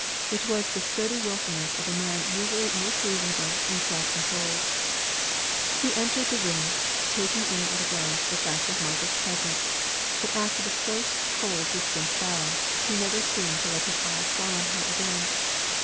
It was the sturdy wilfulness of a man usually most reasonable and self controlled. He entered the room, taking in at a glance the fact of Margaret's presence; but after the first cold distant bow, he never seemed to let his eyes fall on her again.